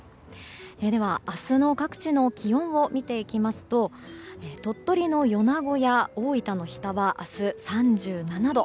では明日の各地の気温を見ていきますと鳥取の米子や大分の日田は明日、３７度。